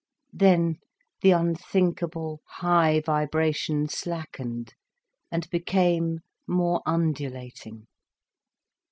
Then the unthinkable high vibration slackened and became more undulating.